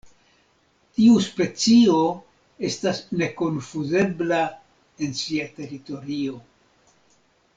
Tiu specio estas nekonfuzebla en sia teritorio.